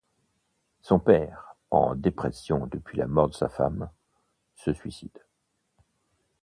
Son père, en dépression depuis la mort de sa femme, se suicide.